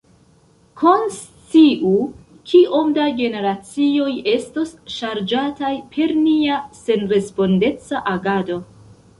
Konsciu, kiom da generacioj estos ŝarĝataj per nia senrespondeca agado.